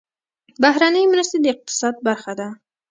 بهرنۍ مرستې د اقتصاد برخه ده